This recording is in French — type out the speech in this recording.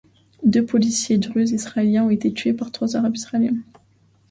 Deux policiers druzes israéliens ont été tués par trois Arabes israéliens.